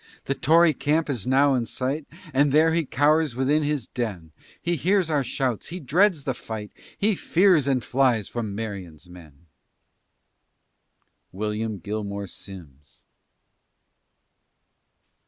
The Tory camp is now in sight, And there he cowers within his den; He hears our shouts, he dreads the fight, He fears, and flies from Marion's men. WILLIAM GILMORE SIMMS.